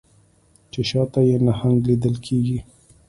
چې شا ته یې نهنګ لیدل کیږي